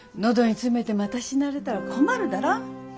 喉に詰めてまた死なれたら困るだら。